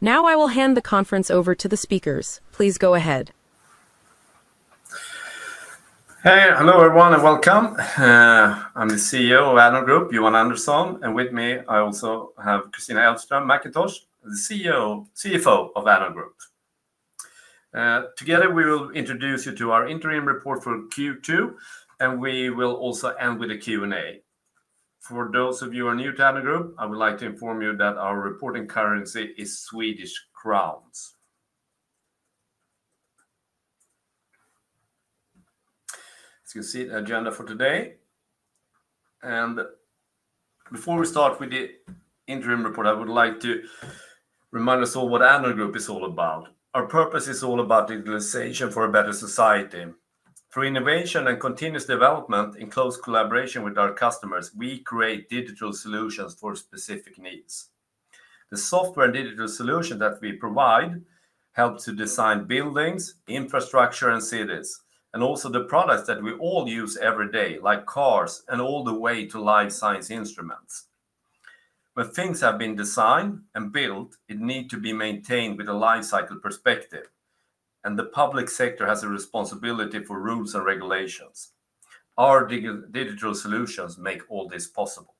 Now I will hand the conference over to the speakers. Please go ahead. Hello everyone and welcome. I'm the CEO of Addnode Group, Johan Andersson, and with me I also have Kristina Mackintosh, the CFO of Addnode Group. Together we will introduce you to our interim report for Q2, and we will also end with a Q&A. For those of you who are new to Addnode Group, I would like to inform you that our reporting currency is Swedish crowns. As you can see, the agenda for today... Before we start with the interim report, I would like to remind us all what Addnode Group is all about. Our purpose is all about digitalization for a better society. Through innovation and continuous development in close collaboration with our customers, we create digital solutions for specific needs. The software and digital solutions that we provide help to design buildings, infrastructure, and cities, and also the products that we all use every day, like cars and all the way to life science instruments. When things have been designed and built, they need to be maintained with a lifecycle perspective, and the public sector has a responsibility for rules and regulations. Our digital solutions make all this possible.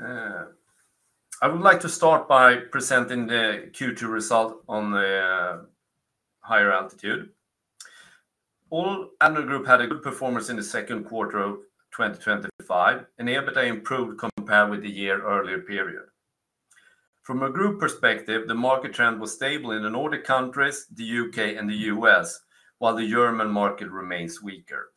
I would like to start by presenting the Q2 result on the higher altitude. All Addnode Group had a good performance in the second quarter of 2025, and EBITDA improved compared with the year earlier period. From a group perspective, the market trend was stable in the Nordic countries, the U.K., and the U.S., while the German market remains weaker.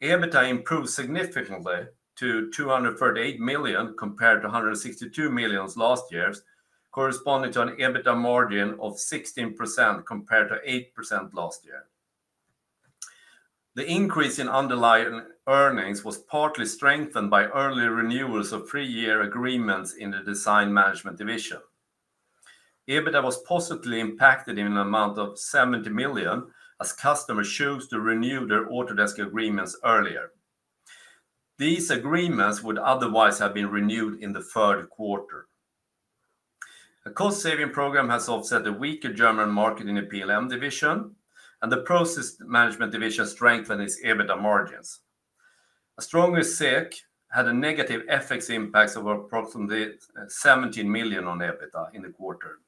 EBITDA improved significantly to 238 million compared to 162 million last year, corresponding to an EBITDA margin of 16% compared to 8% last year. The increase in underlying earnings was partly strengthened by early renewals of three-year agreements in the Design Management division. EBITDA was positively impacted in an amount of 70 million as customers chose to renew their Autodesk agreements earlier. These agreements would otherwise have been renewed in the third quarter. A cost-saving program has offset a weaker German market in the PLM division, and the Process Management division strengthened its EBITDA margins. A stronger SEK had a negative FX impact of approximately 17 million on EBITDA in the quarter.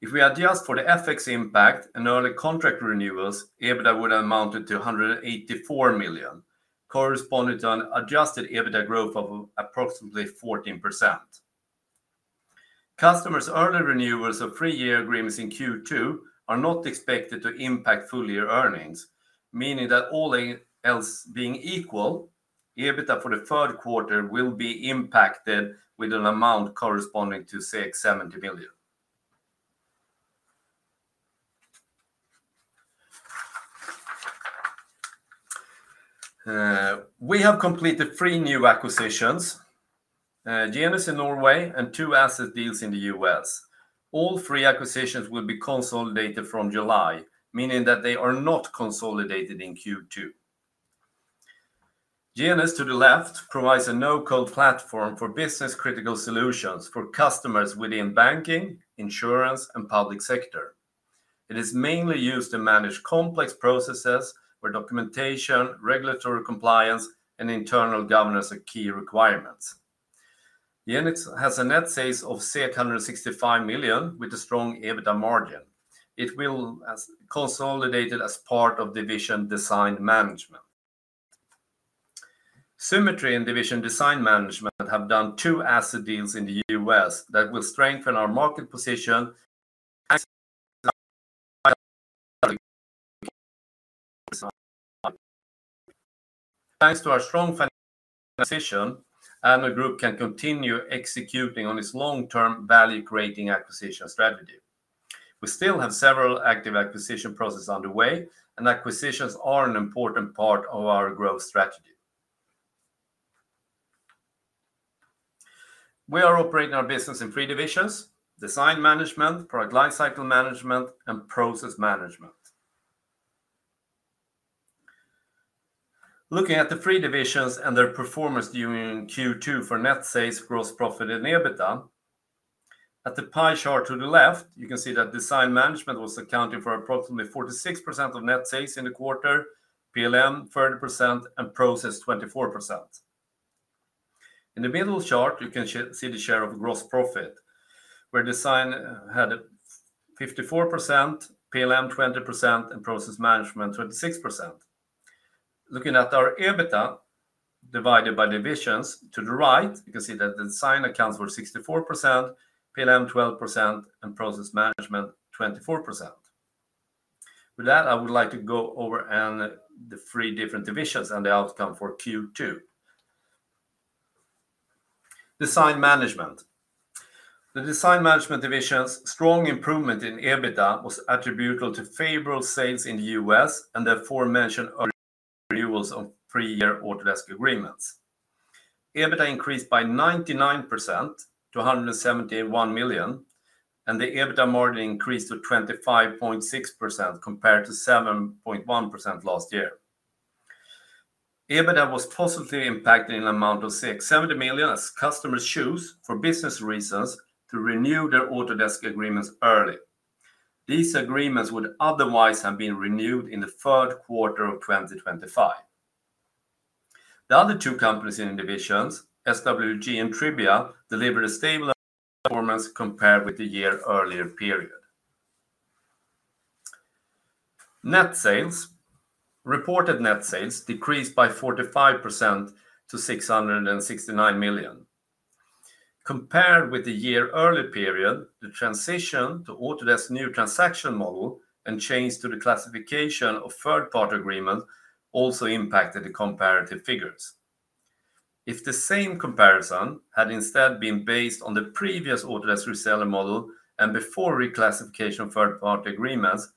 If we adjust for the FX impact and early contract renewals, EBITDA would have amounted to 184 million, corresponding to an adjusted EBITDA growth of approximately 14%. Customers' early renewals of three-year agreements in Q2 are not expected to impact full-year earnings, meaning that all else being equal, EBITDA for the third quarter will be impacted with an amount corresponding to 70 million. We have completed three new acquisitions: Genus in Norway and two asset deals in the U.S. All three acquisitions will be consolidated from July, meaning that they are not consolidated in Q2. Genus, to the left, provides a no-code platform for business-critical solutions for customers within banking, insurance, and the public sector. It is mainly used to manage complex processes where documentation, regulatory compliance, and internal governance are key requirements. Genus has net sales of 165 million, with a strong EBITDA margin. It will be consolidated as part of the Design Management division. Symetri and the Design Management division have done two asset deals in the U.S. that will strengthen our market position. Thanks to our strong financial position, Addnode Group can continue executing on its long-term value-creating acquisition strategy. We still have several active acquisition processes underway, and acquisitions are an important part of our growth strategy. We are operating our business in three divisions: Design Management, Product Lifecycle Management, and Process Management. Looking at the three divisions and their performance during Q2 for net sales, gross profit, and EBITDA, at the pie chart to the left, you can see that Design Management was accounting for approximately 46% of net sales in the quarter, PLM 30%, and Process 24%. In the middle chart, you can see the share of gross profit, where Design had 54%, PLM 20%, and Process Management 26%. Looking at our EBITDA divided by divisions, to the right, you can see that the Design accounts were 64%, PLM 12%, and Process Management 24%. With that, I would like to go over the three different divisions and the outcome for Q2. Design Management. The Design Management division's strong improvement in EBITDA was attributable to favorable sales in the U.S. and the aforementioned early renewals of three-year Autodesk agreements. EBITDA increased by 99% to 171 million, and the EBITDA margin increased to 25.6% compared to 7.1% last year. EBITDA was positively impacted in an amount of 70 million, as customers chose for business reasons to renew their Autodesk agreements early. These agreements would otherwise have been renewed in the third quarter of 2025. The other two companies in divisions, SWG and Trivia, delivered a stable performance compared with the year earlier period. Net sales, reported net sales, decreased by 4.5% to 669 million. Compared with the year earlier period, the transition to Autodesk's new transaction model and change to the classification of third-party agreements also impacted the comparative figures. If the same comparison had instead been based on the previous Autodesk reseller model and before reclassification of third-party agreements,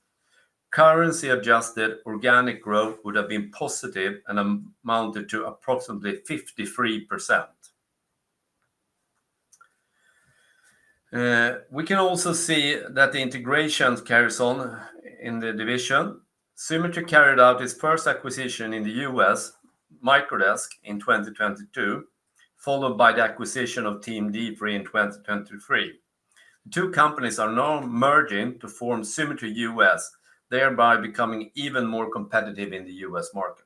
currency-adjusted organic growth would have been positive and amounted to approximately 5.3%. We can also see that the integration carries on in the division. Symetri carried out its first acquisition in the U.S., Microdesk, in 2022, followed by the acquisition of Team D3 in 2023. The two companies are now merging to form Symetri U.S., thereby becoming even more competitive in the U.S. market.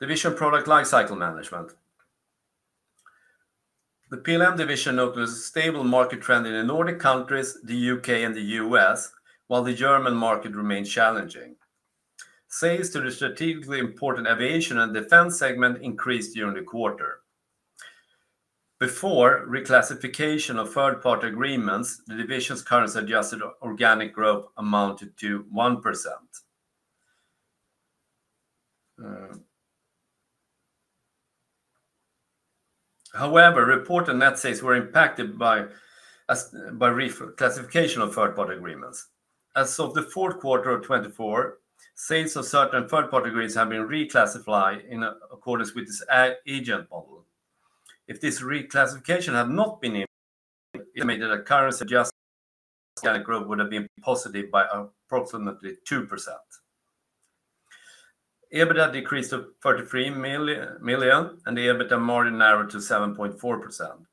Division Product Lifecycle Management. The PLM division noticed a stable market trend in the Nordic countries, the U.K., and the U.S., while the German market remained challenging. Sales to the strategically important aviation and defense segment increased during the quarter. Before reclassification of third-party agreements, the division's currency-adjusted organic growth amounted to 1%. However, reported net sales were impacted by reclassification of third-party agreements. As of the fourth quarter of 2024, sales of certain third-party agreements have been reclassified in accordance with this agent model. If this reclassification had not been implemented, the currency-adjusted organic growth would have been positive by approximately 2%. EBITDA decreased to 33 million, and the EBITDA margin narrowed to 7.4%.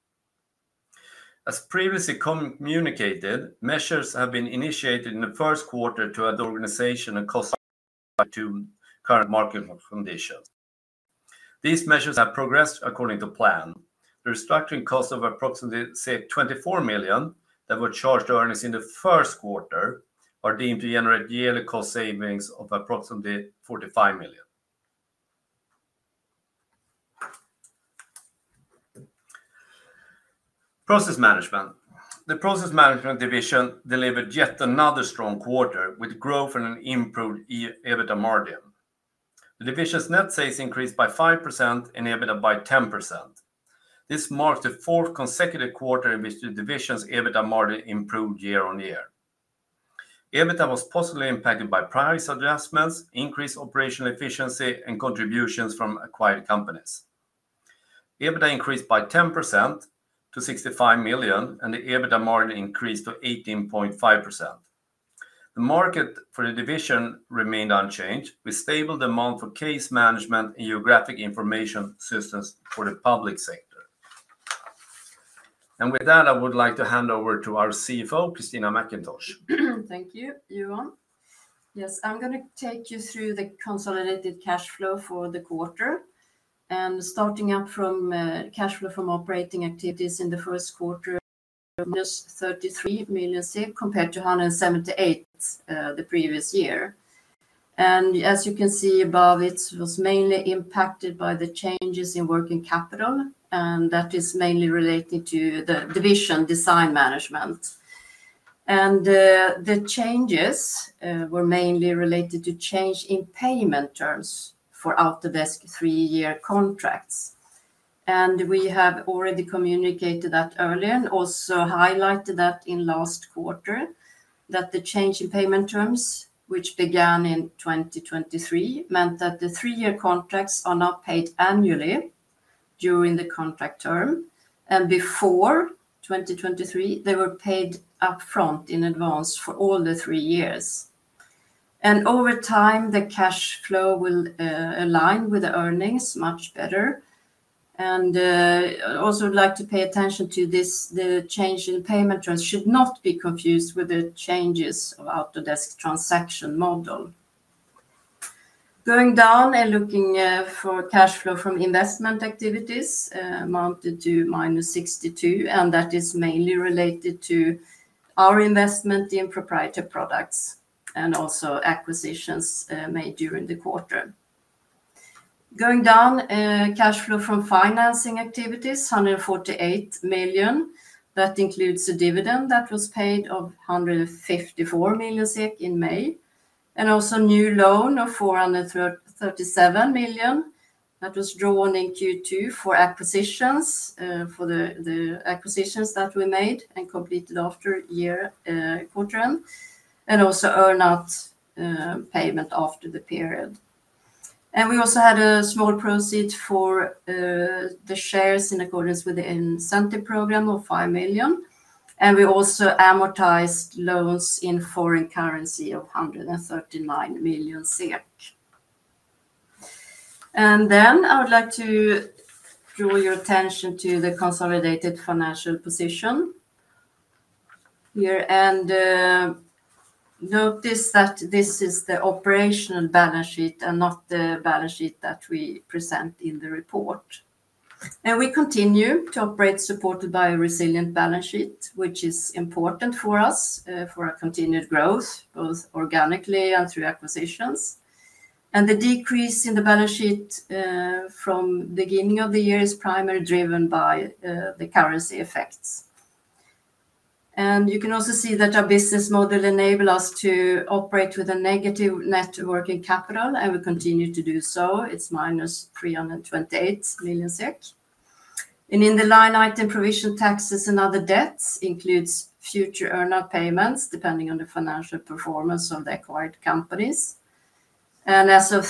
As previously communicated, measures have been initiated in the first quarter to add organization and cost optimization to current market conditions. These measures have progressed according to plan. The restructuring cost of approximately 24 million that were charged to earnings in the first quarter are deemed to generate yearly cost savings of approximately 45 million. Process Management. The Process Management division delivered yet another strong quarter with growth and an improved EBITDA margin. The division's net sales increased by 5% and EBITDA by 10%. This marks the fourth consecutive quarter in which the division's EBITDA margin improved year-on-year. EBITDA was positively impacted by price adjustments, increased operational efficiency, and contributions from acquired companies. EBITDA increased by 10% to 65 million, and the EBITDA margin increased to 18.5%. The market for the division remained unchanged, with a stable demand for case management and geographic information systems for the public sector. With that, I would like to hand over to our CFO, Kristina Mackintosh. Thank you, Johan. Yes, I'm going to take you through the consolidated cash flow for the quarter. Starting up from cash flow from operating activities in the first quarter, there was 33 million compared to 178 million the previous year. As you can see above, it was mainly impacted by the changes in working capital, and that is mainly related to the Design Management division. The changes were mainly related to change in payment terms for Autodesk three-year contracts. We have already communicated that earlier and also highlighted that in last quarter, that the change in payment terms, which began in 2023, meant that the three-year contracts are now paid annually during the contract term. Before 2023, they were paid upfront in advance for all the three years. Over time, the cash flow will align with the earnings much better. I also would like to pay attention to this. The change in payment terms should not be confused with the changes of Autodesk's transaction model. Going down and looking for cash flow from investment activities, it amounted to -62 million, and that is mainly related to our investment in proprietary products and also acquisitions made during the quarter. Going down, cash flow from financing activities, 148 million. That includes a dividend that was paid of 154 million SEK in May, and also a new loan of 437 million that was drawn in Q2 for acquisitions, for the acquisitions that we made and completed after the quarter end, and also earnout payment after the period. We also had a small proceed for the shares in accordance with the incentive program of 5 million. We also amortized loans in foreign currency of 139 million. I would like to draw your attention to the consolidated financial position here. Notice that this is the operational balance sheet and not the balance sheet that we present in the report. We continue to operate supported by a resilient balance sheet, which is important for us for our continued growth, both organically and through acquisitions. The decrease in the balance sheet from the beginning of the year is primarily driven by the currency effects. You can also see that our business model enables us to operate with a negative net working capital, and we continue to do so. It's -328 million SEK. In the line item provision, taxes and other debts include future earnout payments depending on the financial performance of the acquired companies. As of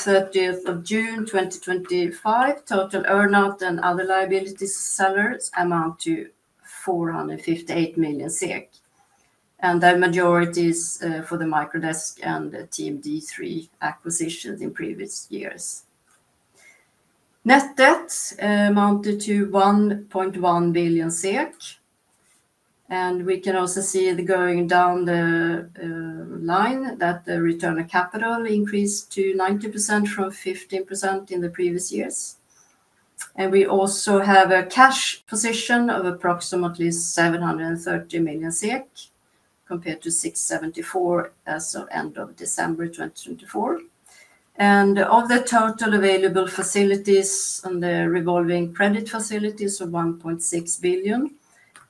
June 30th, 2025, total earnout and other liabilities to sellers amount to 458 million SEK. The majority is for the Microdesk and TeamD3 acquisitions in previous years. Net debt amounted to 1.1 billion SEK. We can also see going down the line that the return on capital increased to 90% from 15% in previous years. We also have a cash position of approximately 730 million SEK compared to 674 million as of the end of December 2024. Of the total available facilities and the revolving credit facilities of 1.6 billion,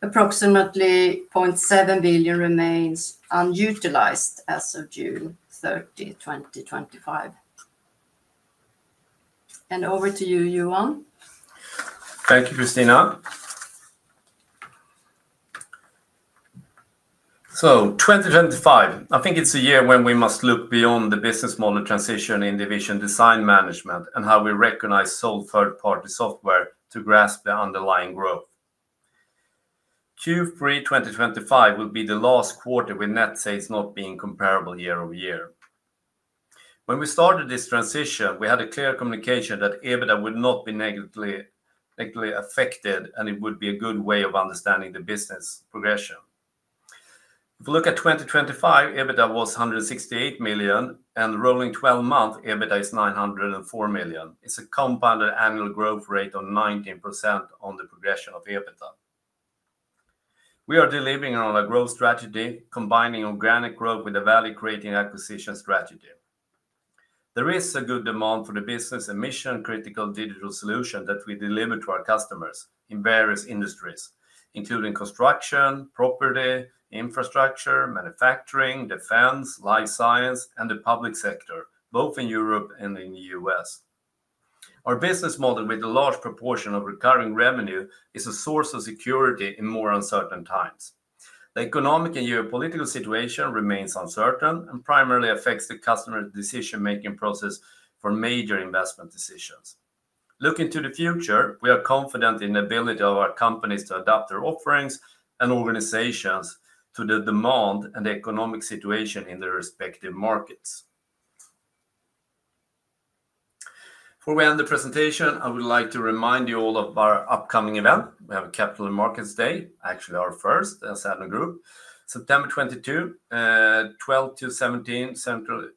approximately 700,000 million remains unutilized as of June 30th, 2025. Over to you, Johan. Thank you, Kristina. 2025, I think it's a year when we must look beyond the business model transition in division Design Management and how we recognize sole third-party software to grasp the underlying growth. Q3 2025 will be the last quarter with net sales not being comparable year-over-year. When we started this transition, we had a clear communication that EBITDA would not be negatively affected, and it would be a good way of understanding the business progression. If we look at 2025, EBITDA was 168 million, and rolling 12 months, EBITDA is 904 million. It's a compounded annual growth rate of 19% on the progression of EBITDA. We are delivering on our growth strategy, combining organic growth with a value-creating acquisition strategy. There is a good demand for the business emission-critical digital solution that we deliver to our customers in various industries, including construction, property, infrastructure, manufacturing, defense, life science, and the public sector, both in Europe and in the U.S. Our business model, with a large proportion of recurring revenue, is a source of security in more uncertain times. The economic and geopolitical situation remains uncertain and primarily affects the customer's decision-making process for major investment decisions. Looking to the future, we are confident in the ability of our companies to adapt their offerings and organizations to the demand and the economic situation in their respective markets. Before we end the presentation, I would like to remind you all of our upcoming event. We have a Capital Markets Day, actually our first as Addnode Group, September 22nd, 12:00 P.M. to 5:00 P.M. Central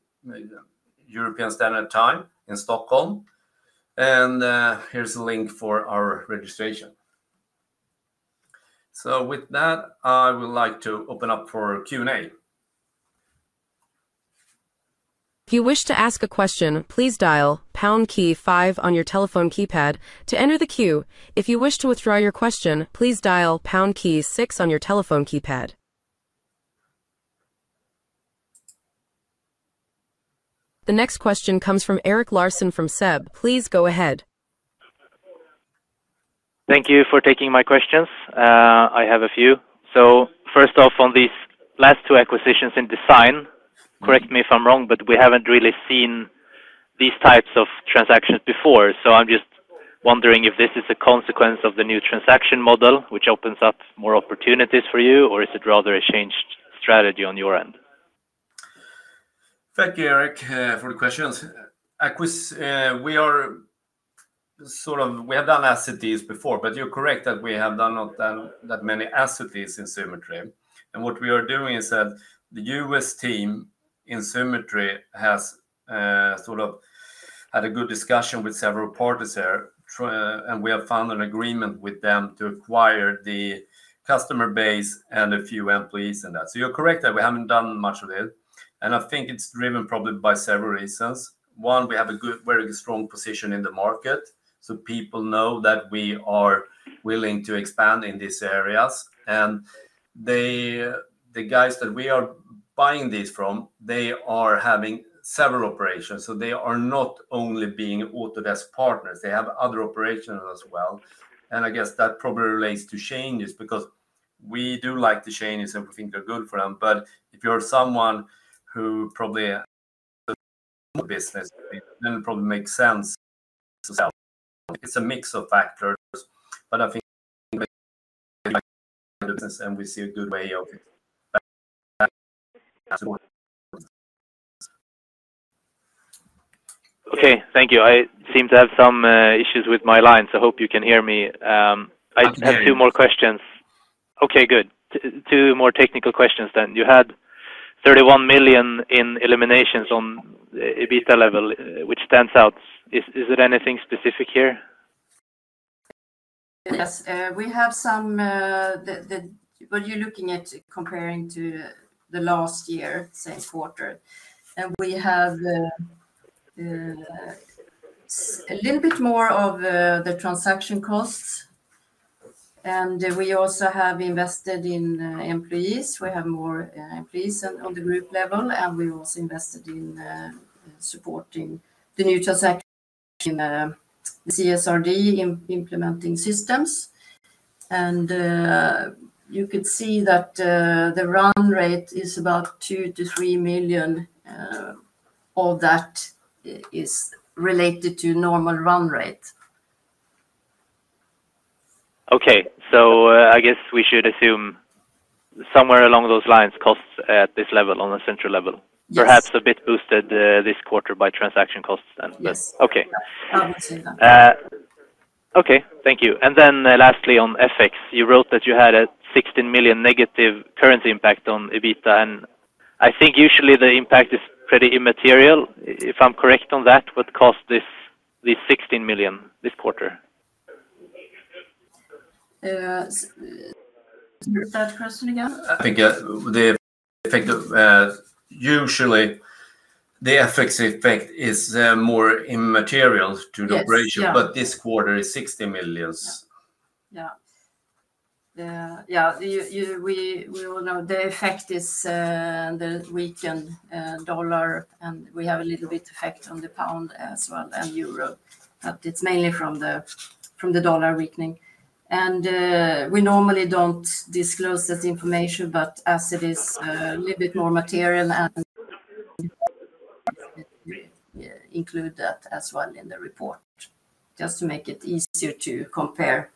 European Standard Time in Stockholm. Here's a link for our registration. With that, I would like to open up for Q&A. If you wish to ask a question, please dial pound key five on your telephone keypad to enter the queue. If you wish to withdraw your question, please dial pound key six on your telephone keypad. The next question comes from Erik Larsen from SEB. Please go ahead. Thank you for taking my questions. I have a few. First off, on these last two acquisitions in Design, correct me if I'm wrong, but we haven't really seen these types of transactions before. I'm just wondering if this is a consequence of the new transaction model, which opens up more opportunities for you, or is it rather a changed strategy on your end? Thank you, Erik, for the questions. We have done asset deals before, but you're correct that we have not done that many asset deals in Symetri. What we are doing is that the U.S. team in Symetri has had a good discussion with several parties there, and we have found an agreement with them to acquire the customer base and a few employees in that. You're correct that we haven't done much of it. I think it's driven probably by several reasons. One, we have a very strong position in the market, so people know that we are willing to expand in these areas. The guys that we are buying these from are having several operations. They are not only being Autodesk partners; they have other operations as well. I guess that probably relates to changes because we do like the changes and we think they're good for them. If you're someone who probably doesn't like the business, it doesn't probably make sense to sell. It's a mix of factors, but I think it's a good idea to buy the business and we see a good way of expanding it as well. Okay. Thank you. I seem to have some issues with my line, so I hope you can hear me. I have two more questions. Okay, good. Two more technical questions then. You had 31 million in eliminations on EBITDA level, which stands out. Is there anything specific here? Yes. We have some, but you're looking at comparing to the last year, same quarter. We have a little bit more of the transaction costs. We also have invested in employees. We have more employees on the group level, and we also invested in supporting the new transaction in the CSRD, implementing systems. You could see that the run rate is about 2 million-3 million. All that is related to normal run rate. Okay. I guess we should assume somewhere along those lines, costs at this level on the central level, perhaps a bit boosted this quarter by transaction costs then. Yes. Okay. Thank you. Lastly, on FX, you wrote that you had a 16 million negative currency impact on EBITDA. I think usually the impact is pretty immaterial, if I'm correct on that. What caused this 16 million this quarter? Repeat that question again? I think the effect of usually, the FX effect is more immaterial to the operation, but this quarter is 16 million. Yeah. Yeah. We all know the effect is the weakened dollar, and we have a little bit of effect on the pound as well and euro. It is mainly from the dollar weakening. We normally don't disclose that information, but as it is a little bit more material, we include that as well in the report, just to make it easier to compare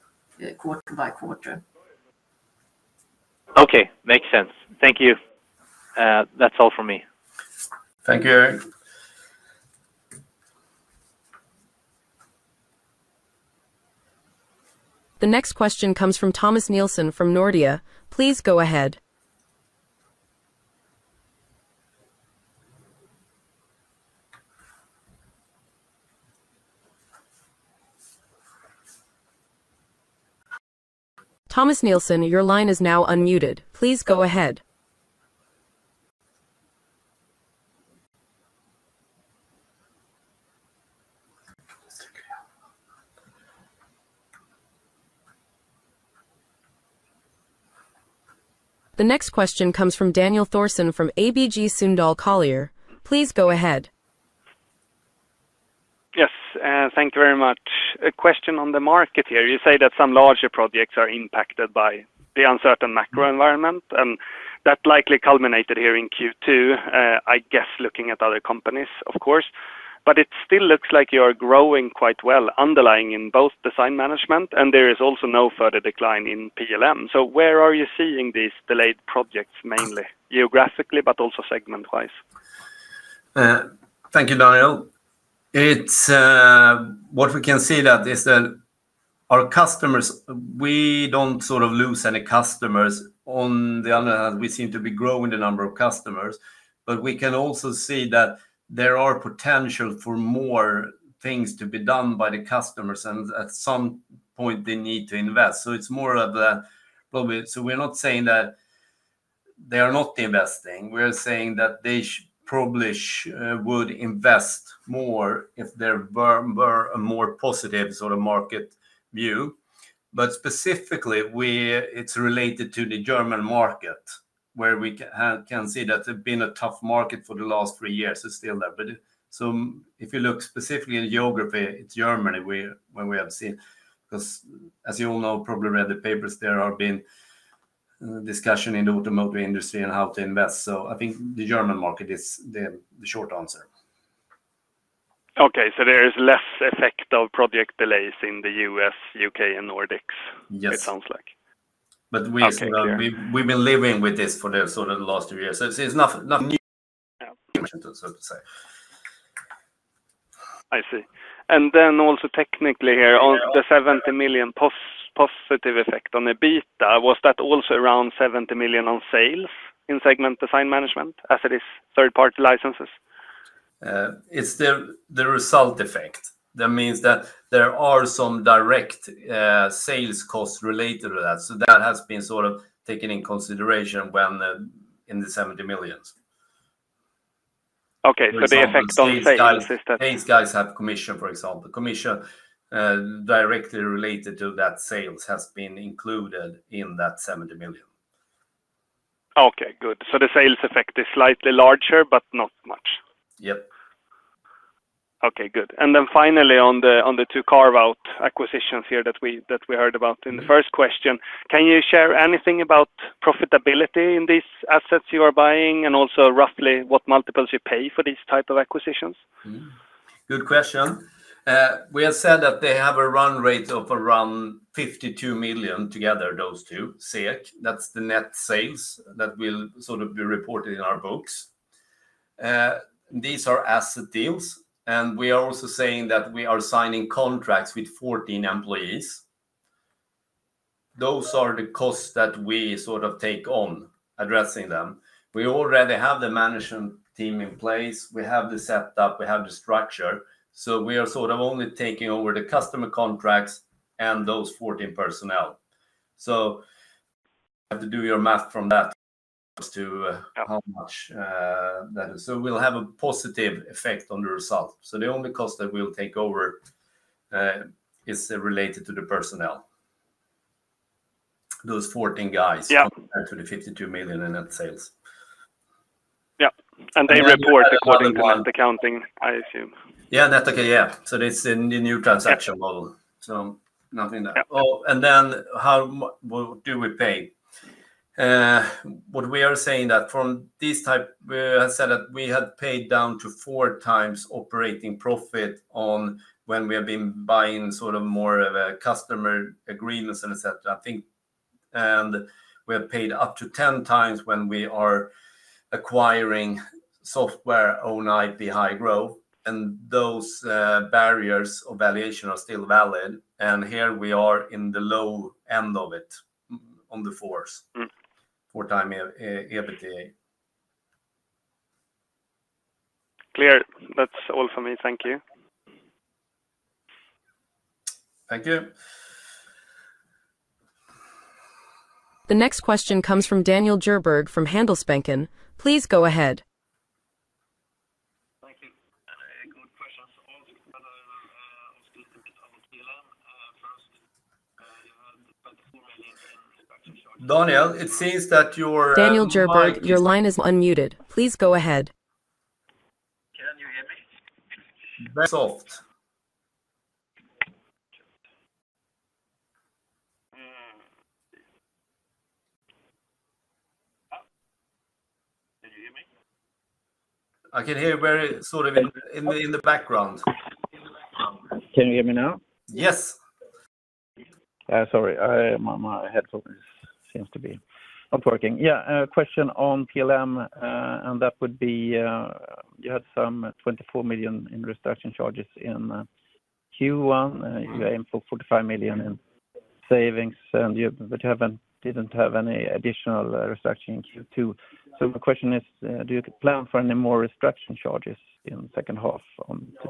quarter-by-quarter. Okay. Makes sense. Thank you. That's all from me. Thank you, Erik. The next question comes from Thomas Nielsen from Nordea. Please go ahead. Thomas Nielsen, your line is now unmuted. Please go ahead. The next question comes from Daniel Thorsen from ABG Sundal Collier. Please go ahead. Yes. Thank you very much. A question on the market here. You say that some larger projects are impacted by the uncertain macro environment, and that likely culminated here in Q2. I guess looking at other companies, of course, but it still looks like you are growing quite well, underlying in both Design Management, and there is also no further decline in PLM. Where are you seeing these delayed projects mainly, geographically, but also segment-wise? Thank you, Daniel. What we can see is that our customers, we don't sort of lose any customers. On the other hand, we seem to be growing the number of customers. We can also see that there are potentials for more things to be done by the customers, and at some point, they need to invest. It's more of a probably. We're not saying that they are not investing. We're saying that they probably would invest more if there were a more positive sort of market view. Specifically, it's related to the German market, where we can see that there's been a tough market for the last three years. It's still there. If you look specifically in geography, it's Germany where we have seen, because as you all know, probably read the papers, there have been discussions in the automotive industry and how to invest. I think the German market is the short answer. Okay. There is less effect of project delays in the U.S., U.K., and Nordics, it sounds like. We've been living with this for the last two years, so it's nothing new, I shouldn't say. I see. Technically, on the 70 million positive effect on EBITDA, was that also around 70 million on sales in segment Design Management as it is third-party licenses? It's the result effect. That means that there are some direct sales costs related to that. That has been sort of taken in consideration when in the 70 million. Okay. The effect on sales. Sales guys have commission, for example. Commission directly related to that sales has been included in that 70 million. Okay, good. The sales effect is slightly larger, but not much. Yes. Okay. Good. Finally, on the two carve-out acquisitions here that we heard about in the first question, can you share anything about profitability in these assets you are buying and also roughly what multiples you pay for these types of acquisitions? Good question. We have said that they have a run rate of around 52 million together, those two, SEK. That's the net sales that will sort of be reported in our books. These are asset deals. We are also saying that we are signing contracts with 14 employees. Those are the costs that we sort of take on addressing them. We already have the management team in place. We have the setup. We have the structure. We are sort of only taking over the customer contracts and those 14 personnel. You have to do your math from that as to how much that is. It will have a positive effect on the result. The only cost that we'll take over is related to the personnel, those 14 guys, compared to the 52 million in net sales. Yeah, they report according to net accounting, I assume. Yeah, net accounting. Yeah. It's in the new transaction model, so nothing there. How do we pay? What we are saying is that from this type, we have said that we had paid down to 4x operating profit when we have been buying more of customer agreements, etc. I think we have paid up to 10x when we are acquiring software owned by high growth, and those barriers of valuation are still valid. Here we are in the low end of it, on the fours, 4x EBITDA. Clear. That's all for me. Thank you. Thank you. The next question comes from Daniel Djurberg from Handelsbanken. Please go ahead. Thank you. Good question. I'll speak a bit about PLM. First, you had SEK 24 million in special charge. Daniel, it seems that your. Daniel Jurberg, your line is unmuted. Please go ahead. Can you hear me? Soft. Let me check. Can you hear me? I can hear you very sort of in the background. Can you hear me now? Yes. Sorry. My headphones seem to be not working. A question on PLM, and that would be you had some 24 million in restructuring charges in Q1. You aimed for 45 million in savings, but you didn't have any additional restructuring in Q2. My question is, do you plan for any more restructuring charges in the second half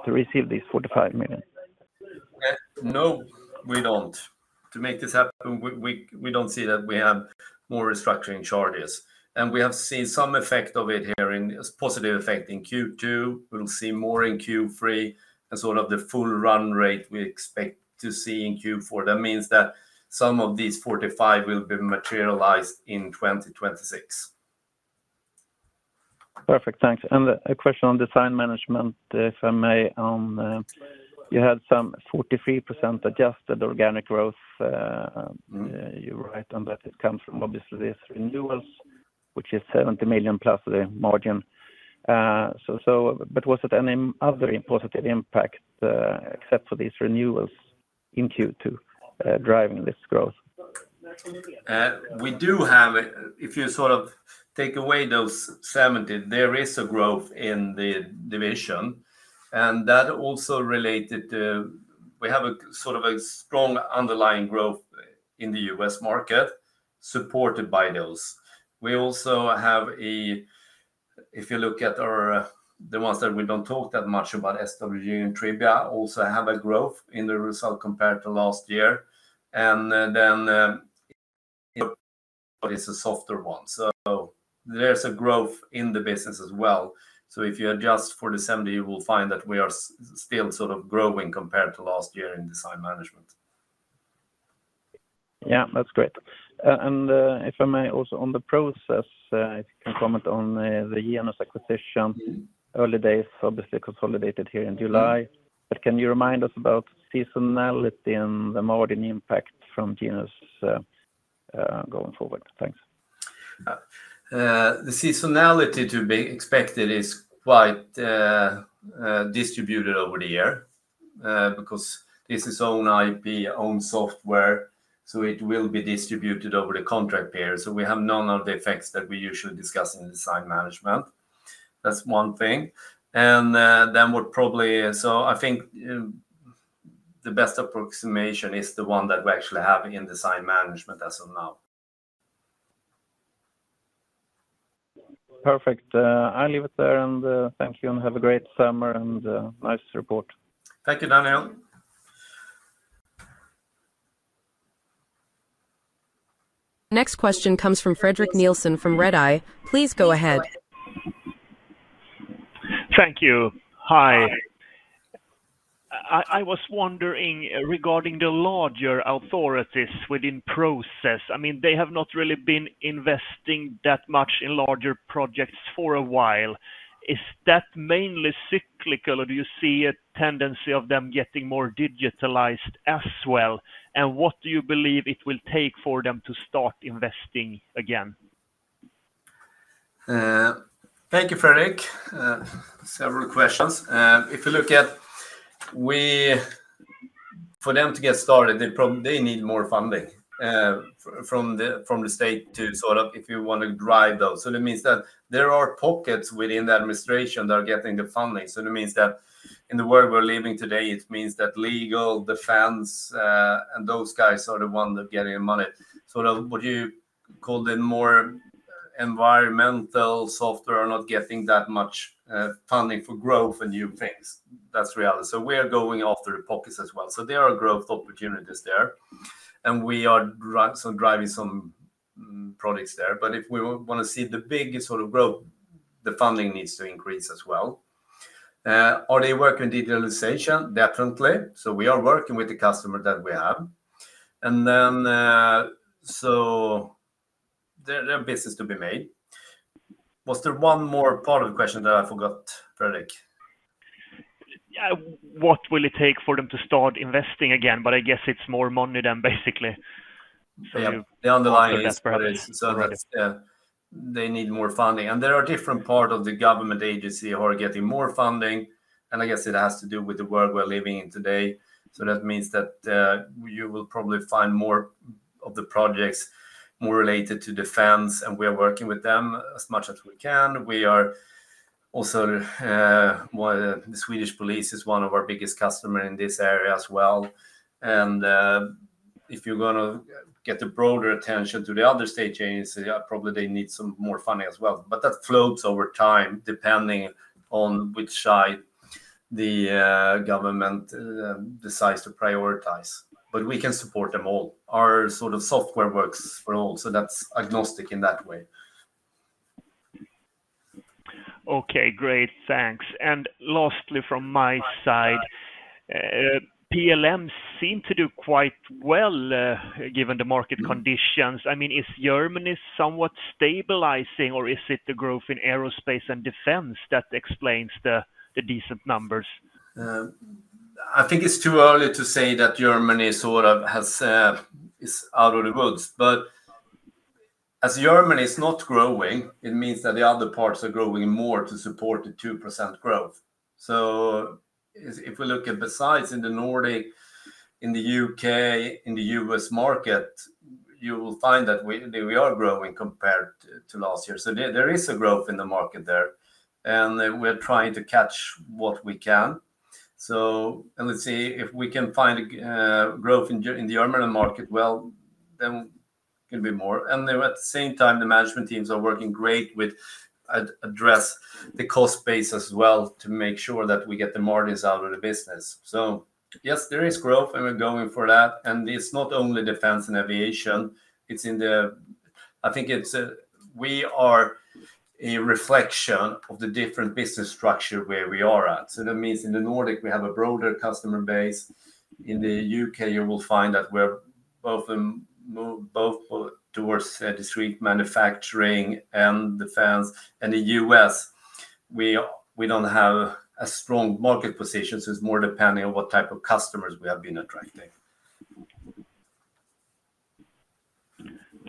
to receive these 45 million? No, we don't. To make this happen, we don't see that we have more restructuring charges. We have seen some effect of it here, a positive effect in Q2. We'll see more in Q3, and the full run rate we expect to see in Q4. That means that some of these 45 will be materialized in 2026. Perfect. Thanks. A question on Design Management, if I may. You had some 43% adjusted organic growth. You're right on that. It comes from, obviously, these renewals, which is 70 million plus the margin. Was it any other positive impact except for these renewals in Q2 driving this growth? We do have, if you sort of take away those 70, there is a growth in the division. That also related to we have a sort of a strong underlying growth in the U.S. market supported by those. We also have, if you look at the ones that we don't talk that much about, SWG and Trivia also have a growth in the result compared to last year. In Europe, it's a softer one. There's a growth in the business as well. If you adjust for the 70, you will find that we are still sort of growing compared to last year in Design Management. Yeah, that's great. If I may, also on the process, if you can comment on the Genus acquisition, early days, obviously consolidated here in July. Can you remind us about seasonality and the margin impact from Genus going forward? Thanks. The seasonality to be expected is quite distributed over the year because this is owned by owned software. It will be distributed over the contract period. We have none of the effects that we usually discuss in Design Management. That's one thing. What probably, I think the best approximation is the one that we actually have in Design Management as of now. Perfect. I'll leave it there. Thank you, and have a great summer and a nice report. Thank you, Daniel. Next question comes from Fredrik Nilsson from Redeye. Please go ahead. Thank you. Hi. I was wondering regarding the larger authorities within Process. I mean, they have not really been investing that much in larger projects for a while. Is that mainly cyclical, or do you see a tendency of them getting more digitalized as well? What do you believe it will take for them to start investing again? Thank you, Frederick. Several questions. If you look at for them to get started, they need more funding from the state to sort of, if you want to drive those. That means that there are pockets within the administration that are getting the funding. That means that in the world we're living today, it means that legal, defense, and those guys are the ones that are getting the money. What you called it more environmental software are not getting that much funding for growth and new things. That's the reality. We are going after the pockets as well. There are growth opportunities there, and we are driving some products there. If we want to see the biggest sort of growth, the funding needs to increase as well. Are they working on digitalization? Definitely. We are working with the customer that we have, and there are businesses to be made. Was there one more part of the question that I forgot, Frederick? What will it take for them to start investing again? I guess it's more money then, basically. Yeah. The underlying is, so that's yeah, they need more funding. There are different parts of the government agency who are getting more funding. I guess it has to do with the world we're living in today. That means you will probably find more of the projects more related to defense, and we are working with them as much as we can. We are also, the Swedish police is one of our biggest customers in this area as well. If you're going to get the broader attention to the other state agencies, probably they need some more funding as well. That floats over time depending on which side the government decides to prioritize. We can support them all. Our sort of software works for all. That's agnostic in that way. Great. Thanks. Lastly, from my side, PLM seemed to do quite well given the market conditions. I mean, is Germany somewhat stabilizing, or is it the growth in aerospace and defense that explains the decent numbers? I think it's too early to say that Germany is out of the woods. As Germany is not growing, it means that the other parts are growing more to support the 2% growth. If we look at the Nordic, the U.K., and the U.S. market, you will find that we are growing compared to last year. There is a growth in the market there. We are trying to catch what we can. If we can find growth in the German market, it can be more. At the same time, the management teams are working great with addressing the cost base as well to make sure that we get the margins out of the business. Yes, there is growth, and we're going for that. It's not only defense and aviation. I think we are a reflection of the different business structure where we are at. That means in the Nordic, we have a broader customer base. In the U.K., you will find that we're both towards the street manufacturing and defense. In the U.S., we don't have a strong market position. It's more depending on what type of customers we have been attracting.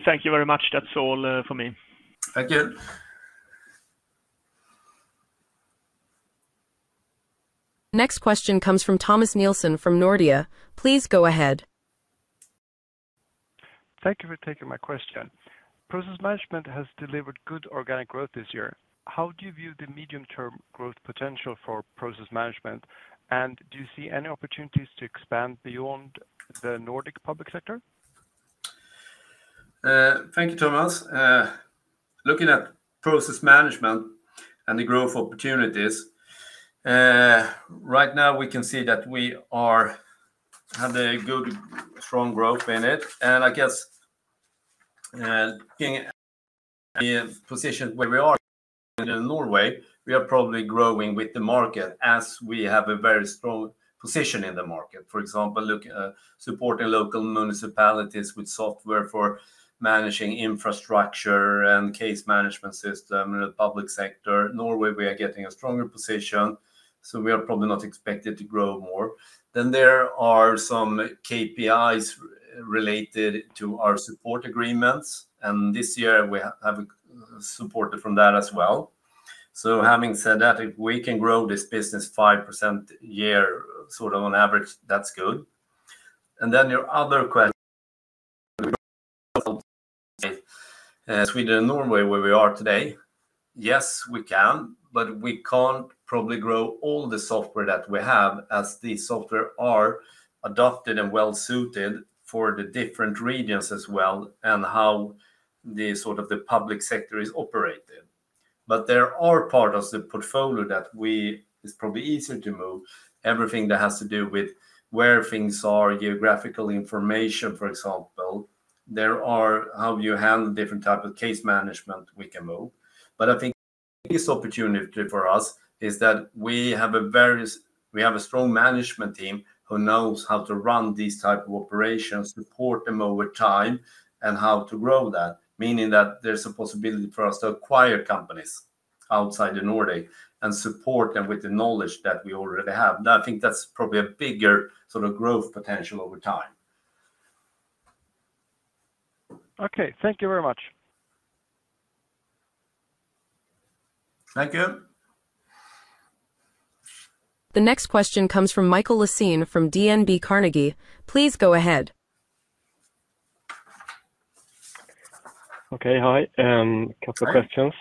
Thank you very much. That's all for me. Thank you. Next question comes from Thomas Nilsson from Nordea. Please go ahead. Thank you for taking my question. Process Management has delivered good organic growth this year. How do you view the medium-term growth potential for Process Management? Do you see any opportunities to expand beyond the Nordic public sector? Thank you, Thomas. Looking at Process Management and the growth opportunities, right now, we can see that we have good, strong growth in it. I guess looking at the position where we are in Norway, we are probably growing with the market as we have a very strong position in the market. For example, looking at supporting local municipalities with software for managing infrastructure and case management systems in the public sector. In Norway, we are getting a stronger position. We are probably not expected to grow more. There are some KPIs related to our support agreements. This year, we have supported from that as well. Having said that, if we can grow this business 5% per year, sort of on average, that's good. Your other question about Sweden and Norway where we are today. Yes, we can, but we can't probably grow all the software that we have as these software are adopted and well-suited for the different regions as well and how the public sector is operated. There are parts of the portfolio that it's probably easier to move. Everything that has to do with where things are, geographical information, for example. There are ways you handle different types of case management we can move. I think the biggest opportunity for us is that we have a very strong management team who knows how to run these types of operations, support them over time, and how to grow that. That means there's a possibility for us to acquire companies outside the Nordic and support them with the knowledge that we already have. I think that's probably a bigger growth potential over time. Okay, thank you very much. Thank you. The next question comes from Michael Lasine from DNB Carnegie. Please go ahead. Okay. Hi. A couple of questions.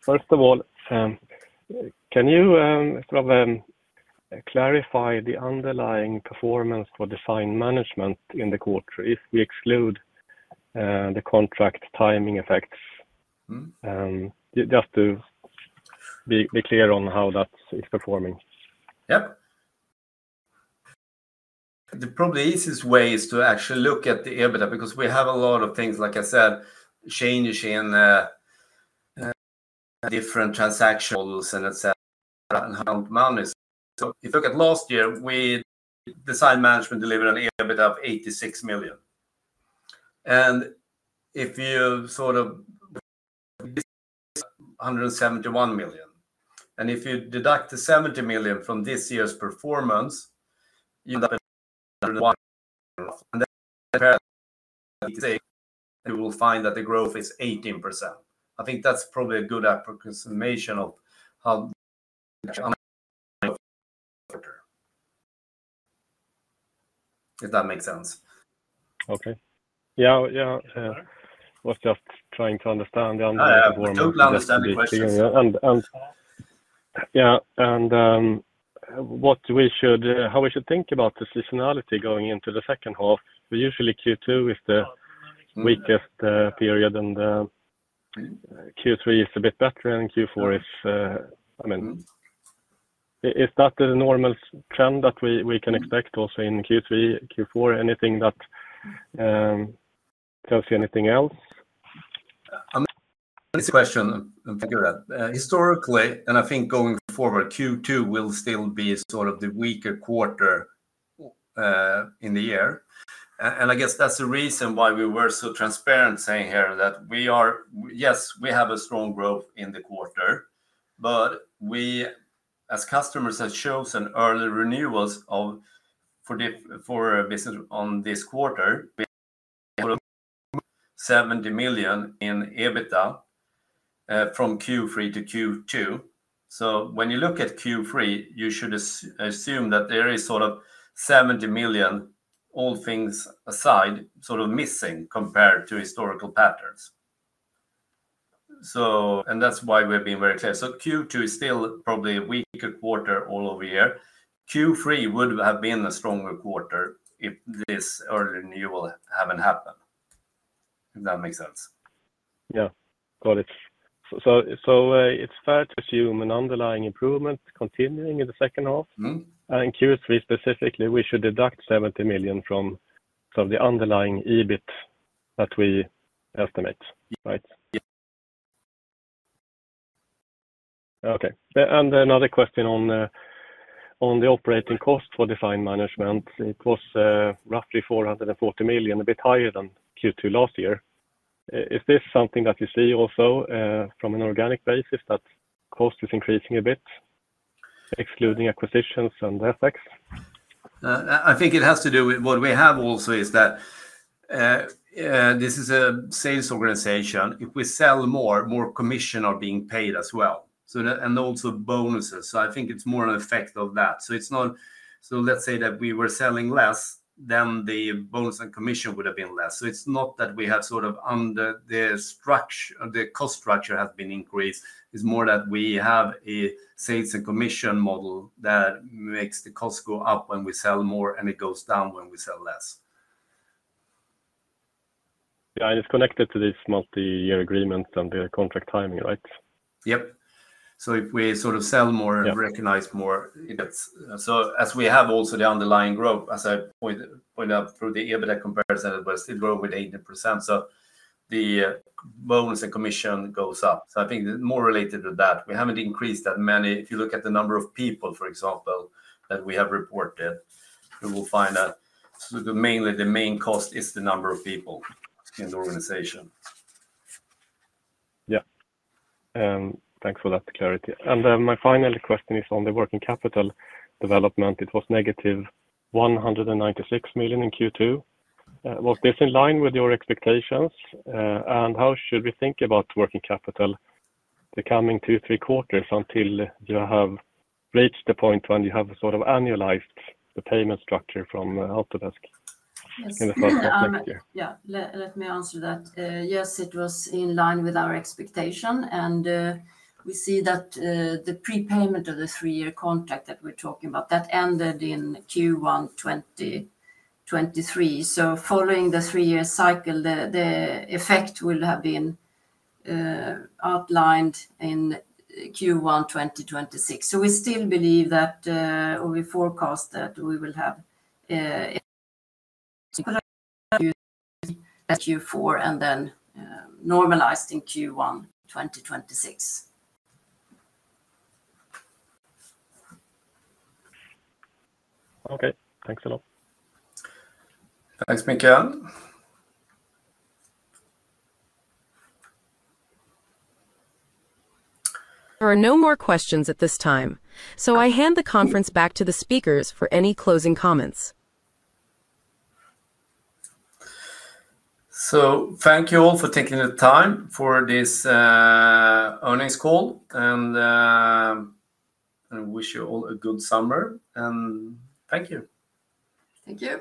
First of all, can you sort of clarify the underlying performance for Design Management in the quarter if we exclude the contract timing effects? Just to be clear on how that is performing. Yes. The probably easiest way is to actually look at the EBITDA because we have a lot of things, like I said, changes in different transaction models, et cetera, and how it manages. If you look at last year, Design Management delivered an EBITDA of 86 million. If you sort of 171 million, and if you deduct the 70 million from this year's performance, you end up at 101%. Compared to SEK 88 million, you will find that the growth is 18%. I think that's probably a good approximation of how the underlying growth is, if that makes sense. Yeah. I was just trying to understand the underlying performance. Yeah, I totally understand the question. How should we think about the seasonality going into the second half? Usually, Q2 is the weakest period, Q3 is a bit better, and Q4 is, I mean, is that the normal trend that we can expect also in Q3 and Q4? Anything that tells you anything else? I mean, it's a question of EBITDA. Historically, and I think going forward, Q2 will still be sort of the weaker quarter in the year. I guess that's the reason why we were so transparent saying here that we are, yes, we have a strong growth in the quarter. We, as customers, have chosen early renewals for business on this quarter, 70 million in EBITDA from Q3 to Q2. When you look at Q3, you should assume that there is sort of 70 million, all things aside, sort of missing compared to historical patterns. That's why we're being very clear. Q2 is still probably a weaker quarter all over the year. Q3 would have been a stronger quarter if this early renewal hadn't happened, if that makes sense. Got it. It's fair to assume an underlying improvement continuing in the second half. In Q3 specifically, we should deduct 70 million from sort of the underlying EBIT that we estimate, right? Yeah. Okay. Another question on the operating cost for Design Management. It was roughly 440 million, a bit higher than Q2 last year. Is this something that you see also from an organic basis, that cost is increasing a bit, excluding acquisitions and the FX? I think it has to do with what we have also is that this is a sales organization. If we sell more, more commission are being paid as well, and also bonuses. I think it's more an effect of that. Let's say that we were selling less, then the bonus and commission would have been less. It's not that we have, sort of, under the structure, the cost structure has been increased. It's more that we have a sales and commission model that makes the cost go up when we sell more, and it goes down when we sell less. Yeah, it's connected to this multi-year agreement and the contract timing, right? If we sort of sell more, recognize more, it gets. As we have also the underlying growth, as I pointed out through the EBITDA comparison, it grows with 80%. The bonus and commission goes up. I think it's more related to that. We haven't increased that many. If you look at the number of people, for example, that we have reported, you will find that mainly the main cost is the number of people in the organization. Thanks for that clarity. My final question is on the working capital development. It was -196 million in Q2. Was this in line with your expectations? How should we think about working capital the coming two, three quarters until you have reached the point when you have sort of annualized the payment structure from Autodesk in the first half next year? Let me answer that. Yes, it was in line with our expectation. We see that the prepayment of the three-year contract that we're talking about ended in Q1 2023. Following the three-year cycle, the effect will have been outlined in Q1 2026. We still believe that, or we forecast that we will have product Q3 and Q4, and then normalized in Q1 2026. Okay, thanks a lot. Thanks, Mikael. There are no more questions at this time. I hand the conference back to the speakers for any closing comments. Thank you all for taking the time for this earnings call. I wish you all a good summer, and thank you. Thank you.